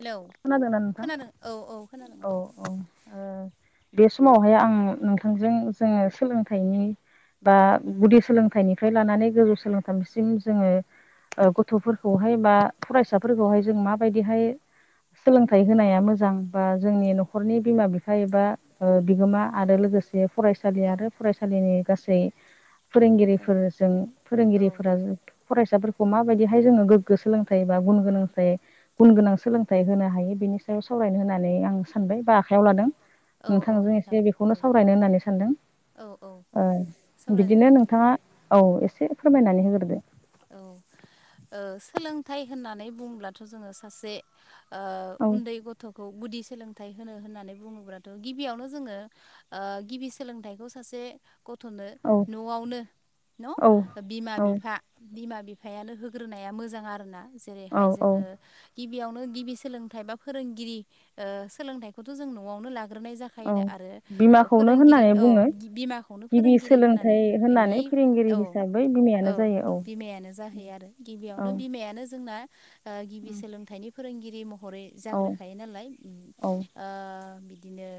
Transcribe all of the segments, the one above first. Hello खोनादोंना नोंथां खोनादों औ औ खोनादों औ नोंथां औ ओ बे स समावहाय आं नोंथांजों जोङो सोलोंथाइनि बा गुदि सोलोंथाइनिफ्राय लानानै गोजौ सोलोंथाइसिम जोङो ओ गथ'फोरखौहाय बा फरायसाफोरखौहाय जों मा बायदिहाय सोलोंथाइ होनाया मोजां बा जोंनि न'खरनि बिमा बिफा एबा ओ बिगोमा आरो लोगोसे जे फरायसालि औ आरो फरायसालिनि गासै औ फोरोंगिरिफोरजों औ फोरोंगिरिफोरा फरायसाफोरखौ माबायदिहाय जोङो गोगो सोलोंथाइ बा गुन गोनांथाइ गुन गोनां सोल सोलोंथाइ होनो हायो बिनि सायाव सावरायनो होननानै आं सानबाय बा आखायाव लादों औ औ नोंथांजों नोंथां एसे बेखौनो दे सावरायनो होननानै सानदों। औ औ ओ सावरायजागोन बिदिनो नोंथां नोंथाङा औ एसे फोरमायनानै होग्रोदो औ सोलोंथाइ होननानै बुंङोब्लाथ' जोङो सासे ओ औ उन्दै गथ' गुदि सोलोंथाइ होनो होननानै बुङोब्लाथ' गिबियावनो जोङो गिबि सोलोंथाइखौ सासे गथ'नो औ न'आवनो औ न' बिमा औ बिफा बिमा बिफायानो होग्रोनाया मोजां आरोना औ जेरैहाय औ जोङो गिबियावनो गिबि सोलोंथाइ बा फोरोंगिरि ओ सोलोंथाइखौथ' जों न'आवनो लागोन गोरनाय औ जाखायोना आरो बिमाखौनो फोरोंगिरि होननानै औ बुङो बिमाखौनो गिबि फोरोंगिरि सोलोंथाइ होननानै होननानै [unintelligible] फोरोंगिरि औ हिसाबै औ बिमायानो जायो। औ बिमायानो जाहैयो आरो औ गिबियावनो बिमायानो जोंना गिबि सोलोंथाइनि फोरोंगिरि महरै औ जाग्रोखायो नालाय औ ओ बिदिनो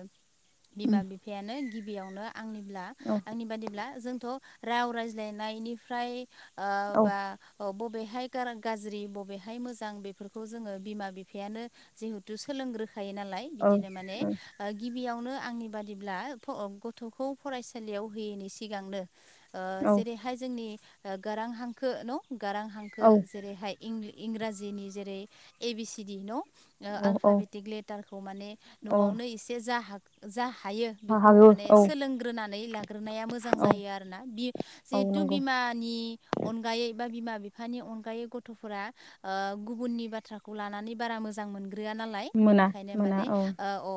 बिमा बिफायानो गिबियावनो आंनिब्ला औ आंनि बादिब्ला जों खौ राव रायज्लायनायनिफ्राय ओ औ बा ओ बब बबेहाय गाज्रि बबेहाय मोजां बेफोरखौ जोङो बिमा बिफायानो जिहेथु सोलोंग्रो खायो नालाय औ बिदिनो माने गिबियावनो बेयावनो आंनि बादिब्ला फअ गथ'खौ फरायसालियाव होयैनि सिगांनो जेरैहाय जोंनि गारां हांखो न' गारां हांखो औ जेरैहाय इं - इंराजिनि जेरै ए बि सिडि न' ओ औ आल्फाबेटिक लेटारखौ माने औ न'आवनो एसे जा हागो जा हायो बेखौ हागौ माने औ सोलोंग्रोनानै लाग्रोनाया मोजां औ जायो आरोना बि औ जिहेथु नंगौ बिमा हानि अनगायै बा बिमा बिफानि अनगायै गथ'फोरा ओ गुबुननि बाथ्राखौ लानानै बारा मोजां मोन ग्रोआ नालाय मोना बिनिखायनो मोना माने औ ओ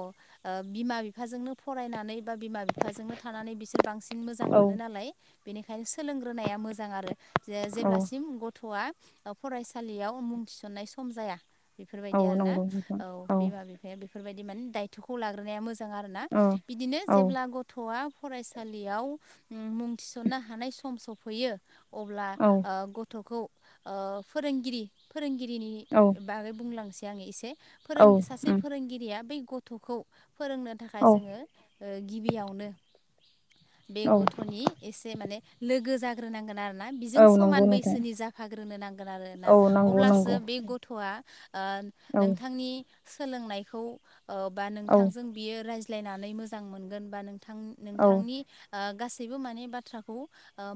अ बिमा बिफाजोंनो फरायनानै बा बिमा बिफाजोंनो थानानै बिसोर बांसिन मोजां औ मोनो नालाय बेनिखायनो सोलोंग्रोनाया मोजां आरो जे औ जेब्लासिम गथ'आ फरायसालियाव मुं थिसन्नाय सम जाया। औ बेफोरबायदि आरो ना नंगौ नोंथां औ बिमा बिफाया बेफोरबायदि माने दायथ'खौ लाग्रोनाया मोजां। आरोना औ बिदिनो औ जेब्ला गथ'आ फरायसालियाव मुं थिसन्नो हानाय सम सफैयो। अब्ला गथ'खौ फोरोंगिरि फोरोंगिरि नि औ बागै बुंलांनोसै आङो एसे फोरों औ सासे उम फोरोंगिरिया बै गथ'खौ फोरोंनो थाखाय औ जोङो गिबियावनो बे औ गथ'नि एसे माने लोगो जाग्रोनांगोन आरो औ बिजों नंगौ समान नोंथां बैसोनि जाफाग्रोनो नांगोन आरोना औ नंगौ नंगौ अब्लासो बे गथ'आ औ नोंथांनि सोलोंनायखौ बा औ नोंथांजों बियो रायज्लायनानै मोजां मोनगोन बा नों औ नोंथांनि गासैबो माने बाथ्राखौ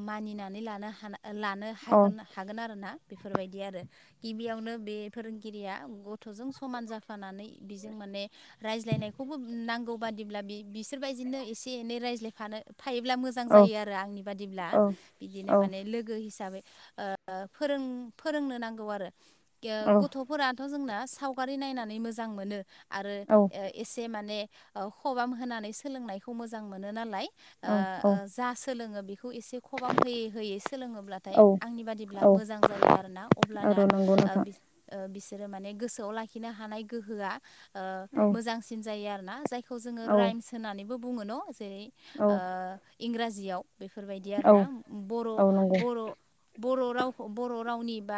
मानिनानै लानो हा लानो औ हागोन हागोन आरो ना। बेफोरबायदि आरो गिबियावनो बे फोरोंगिरिया गथ'जों समान जाफानानै बेजों माने रायज्लायनायखौबो नांगौ बादिब्ला बि बिसोरबायदिनो एसे एनै रायज्लायफानो थायोब्ला मोजां औ जायो आरो आंनि बादिब्ला औ बिदिनो औ माने लोगो हिसाबै फोरों फोरोंनो नांगौ आरो गथ'फोराथ' जोंना सावगारि नायनानै मोजां मोनो आरो औ एसे माने खबाम होनानै सोलोंनायखौ मोजां मोनो नालाय जा सोलोङो बेखौ एसे खबाम होयै होयै सोलोङोब्लाथाय आंनि बादिब्ला औ मोजां जायो आरोना अब्लाना आरो नंगौ ओ नोंथां बिसो बिसोर माने गोसोआव लाखिनो हानाय गोहोआ औ मोजांसिन जायो आरो ना जाय खौ जोङो औ राइम्स होननानैबो बुङो न' जेरै औ ओ इंराजियाव बेफोरबायदि औ आरोना बर' औ नंगौ बर' बर' रावखौ बर' रावनि ब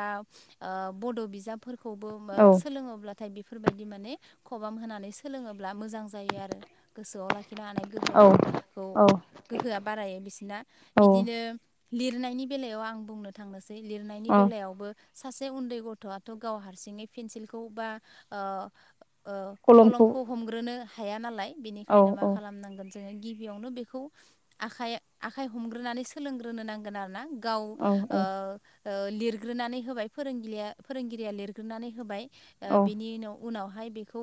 बद' बिजाबफोरखौबो औ सोलोंङोब्ला बेफोरबायदि माने खबाम होनानै सोलोङोब्ला मोजां जायो आरो गोसोआव लाखि खिनो हानाय गोहोखौ औ औ गोहोआ बारायो बिसोरना औ बिदिनो लिरनायनि बेलायाव आं बुंनो थांनोसै लिरनायनि अ बेलायावबो सासे उन्दै गथ'आथ' गाव हारसिङै पेन्सिलखौ बा ओ ओ कलमखौ खलमखौ हमग्रोनो हाया नालाय औ बेनिखायनो मा औ खालामनांगोन जोङो गिबियावनो बेखौ आखाइ आखाइ हमग्रोनानै सोलोंग्रोनो नांगोन आरो ना। गाव ओ औ ओ लिरग्रोनानै होबाय फोरोंगिरिया फोरोंगिरिया लिरग्रोनानै होबाय औ ओ बिनि उनाव उनाव हाय बेखौ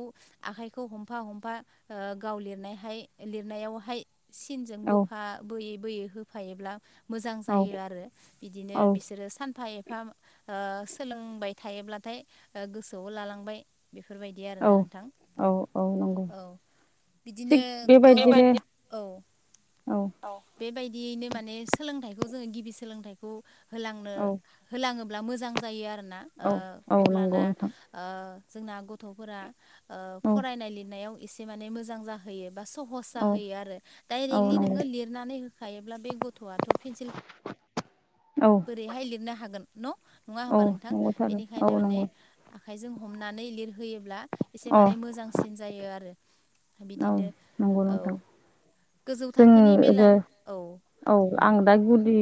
आखाइखौ हमफा हमफा ओ गाव लिरनायहाय लिरनायावहाय सिनजों औ बोफा बोयै बोयै होफायोब्ला मोजां औ जायो आरो बिदिनो बिसोरो सानफा एफा फा ओ सोलोंबाय थायोब्लाथाय गोसोआव लालांबाय बेफोरबायदि औ आरोना नोंथां औ औ नंगौ औ। बिदिनो थिग बेबायदिनो थ' औ। औ बेबायदियैनो माने सोलोंथाइखौ जोङो गिबि सोलोंथाइखौ होलांनो औ होलाङोब्ला मोजां जायो आरो ना ओ औ औ नंगौ अब्लाना नोंथां ओ जोंना गथ'फोरा ओ औ फरायनाय लिरनायाव एसे माने मोजां जाहोयो बा सहस औ जाहोयो आरो औ दडाइरेक्टलि नंगौ नोङो लिरनानै होखायोब्ला बे गथ'आथ' पेन्सिल औ बोरैहाय लिरनो हागोन न' नङा औ होमबा नोंथां नंगौथारो औ बेनिखायनो माने नंगौ आखाइजों हमनानै लिरहोयोब्ला एसे अ माने मोजांसिन जायो आरो औ बिदिनो नोंगौ औ नोंथां। गोजौ थाखोनि बेला जों औ औ आं दा गुदि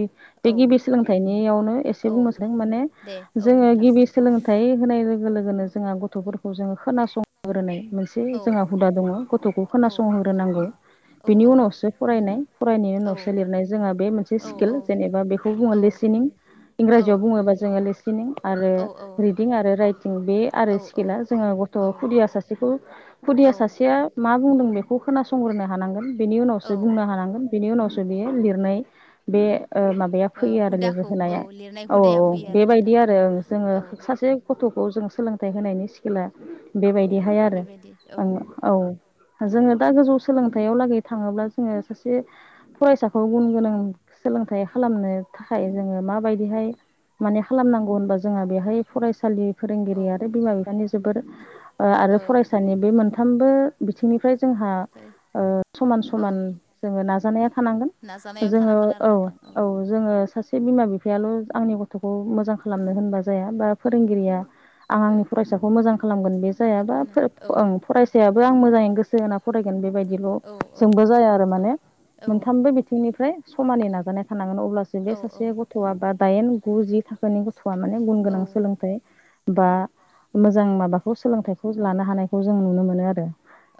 बे औ गिबि सोलोंथाइनियाव एसे बुंनो औ सै माने दे औ जोङो नोंथां गिबि सोलोंथाइ होनाय लोगो लोगोनो जोंहा गथ'फोरखौ जोङो खोनासंग्रोनाय। मोनसे औ जोंहा हुदा दङ' गथ'खौ औ खोनासंहग्रोनांगौ औ बेनि उनावसो। फरायनाय फरायनायनि औ उनावसो लिरनाय जोंहा बे मोनसे औ स्किल जेनेबा बेखौ बुङो औ लिसिनिं। औ इंराजियाव बुङोबा जोङो लेसिनिं आरो रिदिं आरो राइटिं। बे आरो औ स्केला जोङो गथ' औ खुदिया सासेखौ खुदिया औ सासेया मा बुंदों बेखौ। खोनासंग्रोनो हानांगोन बिनि उनावसो ओ बुंनो हानांगोन बिनि उनावसो बियो लिरनाय बे ओ माबाया फैयो आरो हुदाखौ औ लिरहोनाया। लिरनाय औ औ हुदाया औ फैयो आरो बेबायदि नोंथां औ आरो जोङो औ ओ सासे गथ'। खौ जों सोलोंथाइ होनायनि स्किला बेबायदिहाय आरो बेबायदि औ ओं औ। जोङो दा गोजौ सोलोंथाइयाव लागै थाङोब्ला। जोङो सासे फरायसाखौ गुन गोनां सोलोंथाइ खालामनो थाखाय जोङो माबायदिहाय माने खालामनांगौ होनबा जोंहा बेहाय फरायसालि। औ फोरोंगिरि आरो बिमा बिफानि जोबोर ओ आरो औ ओमफ्राय फरायसानि बे मोनथामबो बिथिंनिफ्राय। जोंहा ओ समान औ समान जोङो नाजानाया था नांगोन नाजानायाव जोङो थानांगोन आरो औ नोंथां औ जोङो सासे। बिमा बिफायाल' आंनि गथ'खौ मोजां खालामनो होनबा जाया बा फोरोंगिरिया। आं बो आंनि फरायसाखौ मोजां खालामगोन बे जायाबा होनना औ फरायसायाबो आं मोजाङै गोसो होना फरायगोन। बेबायदिल' औ औ जोंबो जाया आरो। माने मोनथामबो बिथिंनिफ्राय समानै नाजानाय थानांगोन अब्लासो बे औ सासे गथ'आ बा दाइन गु जि थाखोनि गथ'आ माने गुन औ गोनां सोलोंथाइ। बा मोजां माबाखौ सोलोंथाइखौ लानो हानायखौ जों नुनो मोनो आरो।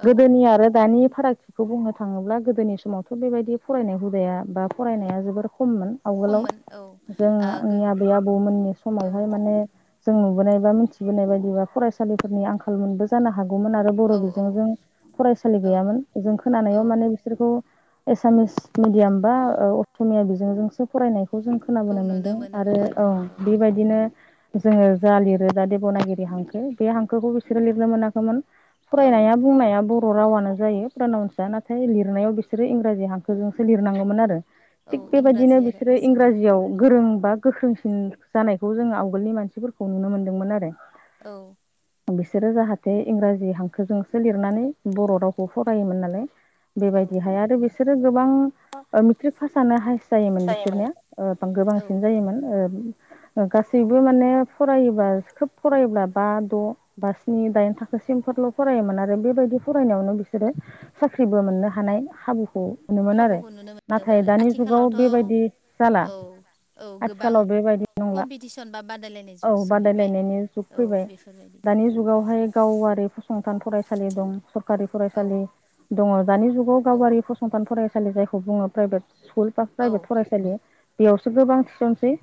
औ गोदोनि आरो दानि फारागथिखौ बुंनो थाङोब्ला गो दोनि समावथ' बेबायदि फरायनाय हुदाया बा फरायनाया जोबोर खममोन आवगोलाव खममोन औ जों आ गो आंनि आबै आबौमोननि औ समावहाय माने। जों नुबोनाय बा मिथिबोनाय बायदिबा फरायसालिफोरनि आंखाल मोनबो जानो हागौ। हागौमोन आरो बर' औ औ बिजोंजों फरायसालि गैयामोन जों औ खोनानायाव औ माने बिसोरखौ एसामिस मिडियाम बा ओ असमिया बिजोंजोंसो फरायनाय खौ जों खौ खोनाबोनो नुनो मोनदों आरो मोनोमोन औ आरोना बेबायदिनो जोङो। जा लिरो दा देब'नागिरि हांखो बे हांखोखौ बिसोरो लिरनो मोनाखैमोन। औ फरायनाया बुंनाया बर' रावानो जायो प्रनावनसआ नाथाय लि लिरनायाव बिसोरो इंराजि हांखोजोंसो लिरनांगौमोन आरो औ थिग बेबायदिनो इंराजि आरो बिसोरो असमिया इंराजियाव गोरोंबा गोख्रोंसिन जानायखौ जोङो आवगोलनि मानसिफोरखौ नुनो मोनदों। दोंमोन आरो। औ। बिसोरो जाहाथे इंराजि हांखोजोंसो लिरनानै बर' रावखौ फरायोमोन नालाय। औ बेबायदिहाय आरो बिसोरो गोबां मेट्रिक पासआनो हाइस्ट जायोमोन बिसोरनिया ओ औ गोबांसिन जायोमोन। गासैबो माने फरायोब्ला खोब फरायोब्ला बा द' बा स्नि दाइन थाखो। सिमफोरल' फरायोमोन आरो बेबायदि फरायनायावनो बिसोरो साख्रिबो मोननो हानाय खाबुखौ। मोनोमोन आरो खाबुखौ नुनो मोनदोंमोन नाथाय आरो दानि जुगाव आथिखालावथ' बेबायदि जाला औ औ गोबां आथिखालाव बेबायदि। नंला कम्पिटिसन बा बादायलायनाय जुग औ सफैबाय बादायलायनायनि जुग औ फैबाय बेफोरबायदि दानि औ। जुगावहाय गावारि फसंथान फराय। सालि दं सरकारि औ फरायसालि दङ' दानि जुगाव औ गावारि फसंथान फरायसालि। जायखौ बुङो प्राइभेट स्कुल बा औ प्राइभेट औ फरायसालि बेयावसो गोबां थिसनसै।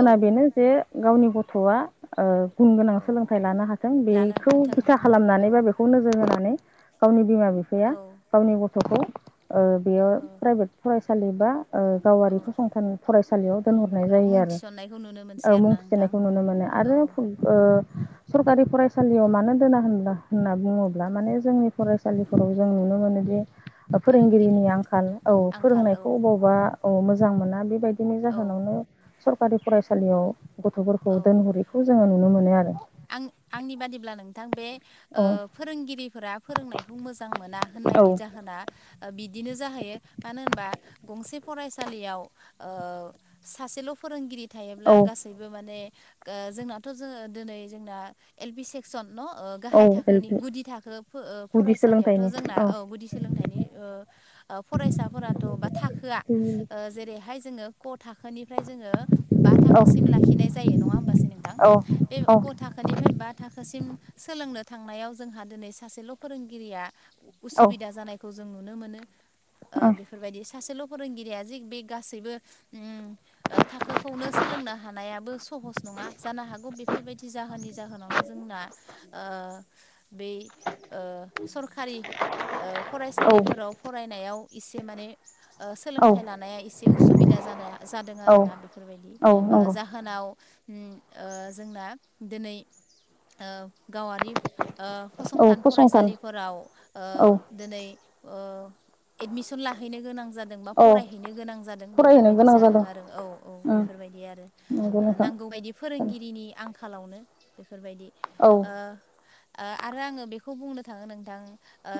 औ बेनो जे गावनि गथ'आ ओ गुन गोनां औ सोलोंथाइ लानो हाथों बे लानो खौ हाथों बिथा होननानै औ खालामनानै बा बेखौ नोजोर होनानै गावनि बिमा बि औ। गावनि गथ'खौ ओ बेयो औ प्राइभेट फरायसालि बा ओ औ गावारि फसंथान फरायसालियाव दोनहरनाय जेराव जायो मुं आरो। थिसननायखौ नुनो औ मोनसै मुं आरोना नोंथां थिसेननायखौ नुनो मोनो औ आरो ओ। सरखारि फरायसालियाव मानो दोना होनब्ला होनना बुङोब्ला माने जोंनि फरायसालिफोराव जों नुनो मोनो फोरोंगिरि फोरोंगिरिनि आंखाल औ आंखाल औ फोरोंनायखौ अबावबा औ मोजां मोना बेबायदि बिनि औ जाहोनावनो सरकारि फरायसालियाव गथ'फोरखौ औ दोनहोरिखौ जोङो नुनो मोनो आरो आं आंनि बादिब्ला नोंथां बे औ ओ फोरोंगिरिफोरा फोरोंनायखौ मोजां मोना होननायनि औ जाहोना बिदि बिदिनो जाहैयो मानो होनबा गंसे फरायसालियाव ओ सासेल' फोरोंगिरि थायोब्ला औ गासैबो माने ओ जोंनाथ' जोङो दिनै जोंना एल पि सेक्सन न' ओ औ गाहाय एल थाखोनि पि गुदि थाखो गुदि फरायसालियावथ' सोलोंथाइनि जोंना औ गुदि सोलोंथाइनि ओ ओ फरायसाफोराथ' बा थाखोआ ओ जेरैहाय जोङो क थाखोनिफ्राय जोङो बा औ थाखोसिम लाखि खिनाय जायो नङा होमबासो नोंथां औ बे औ क' थाखोनिफ्राय बा थाखोसिम सोलोंनो थांनायाव जोंहा दिनै सासेल' फोरोंगिरिया औ उसुबिदा जानायखौ जों नुनो मोनो ओ बेफोरबायदि सासेल' फोरोंगिरिया जे बे गासैबो ओम ओ थाखोखौनो सोलोंनो हानाया बो सहस नङा जानो हागौ बेफोरबायदि जाहोननि जाहोनावनो जोंना ओ बै ओ सरखारि ओ औ फरायसालिफोराव फरायनायाव एसे माने ओ औ सोलोंथाइ लानाया एसे उसुबिदा जानो जादों औ आरोना औ ओ नंगौ जाहो ओम ओ जोंना दिनै ओ गावारि ओ फसंथान फरायसालिफोराव ओ औ दोनै ओ एडमिसन लाहैनो गोनां जादों जादोंबा औ फरायहैनो गोनां जादों फरायहैनो बेफोरबायदि गोनां जादों आरो औ औ उम बेफोरबायदि आरो नंगौ नोंथां नांगौ बायदि फोरोंगिरिनि आंखालावनो बेफोरबायदि औ ओ आरो आङो बेखौ बुंनो थाङो नोंथां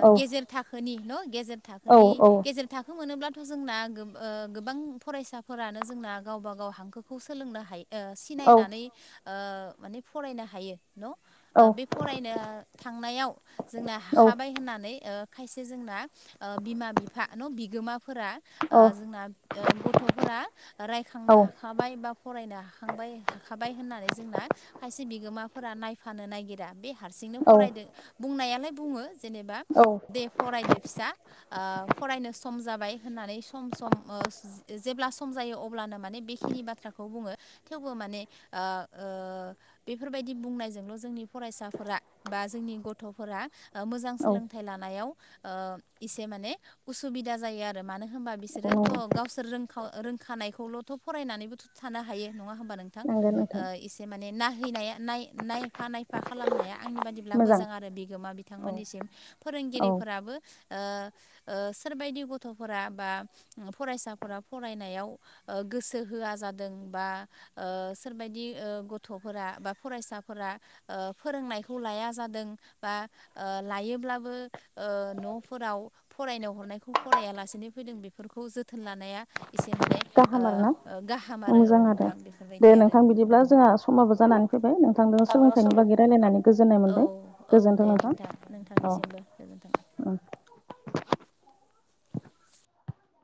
औ गेजेर थाखोनि न गेजेर औ थाखोनि गेजेर थाखो मोनोब्ला थ' जोंना ओ गोबां फरायसाफोरानो जोंना गावबा गाव हांखोखौ सोलोंनो हायो औ सिनायनानै माने फरायनो हायो न औ बे फरायनो थांनायाव जोंना औ हाखाबाय होननानै खायसे जोंना बिमा बिफा न' बिगा फोर जोंना गथ'फोरा रायखांनो हाखाबाय बा फरायनो हाखांबाय हाखाबाय होननानै जोंना खायसे बिगोमाफोरा नायफानो नागिरा बे हारसिंनो औ फरायदों बुंनायालाय बुङो जेनेबा औ दे फरायदो फिसा फरायनो सम जाबाय होननानै सम सम जेब्ला सम जायो अब्लानो माने बेखिनि बाथ्राखौ खौ बुङो थेवबो माने बेफोरबायदि बुंनायजोंल जोंनि फरायसाफोरा बा जोंनि गथ'फोरा मोजां औ सोलोंथाइ लानायाव एसे माने उसुबिदा जायो आरो मानो होन मानो होनबा बिसोरोथ गावसोर रोंखानायखौलथ फरायनानैबो थानो हायो नङा हबा नोंथां नंगौ नंगौ नोंथां एसे माने नायैनाया नायफा नायफा खालामनाया आंनि बादिब्ला मोजां मोजां आरो बिगोमा औ बिथांमोननिसिम औ फोरोंगिरिफोराबो सोरबायदि गथ'फोरा बा फरायसाफोरा फरायनायाव गोसो होआ जादों बा सोरबदि गथ'फोरा बा फरायसाफोरा फोरोंनाय बेखौ लाया जादों बा लायोब्लाबो न'फोराव फरायनो हरनायखौ फरायालासेनो फैदों बेफोरखौ खौ जोथोन लानाया एसे माने गाहाम आरोना गा मोजां आरो दे नोंथां बिदिब्ला जोंहा समाबो जानानै फैबाय नोंथांजों सोलोंथाइनि बागै रायजलायनानै औ औ दे नोंथां औ नोंथांनिसिमबो गोजोनथों उम